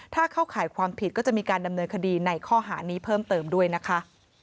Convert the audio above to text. ถ้าเข้าข่ายความผิดก็จะมีการดำเนินคดีในข้อหานี้เพิ่มเติมด้วยนะคะ